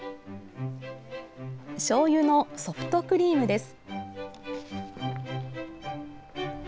しょうゆのソフトクリームです。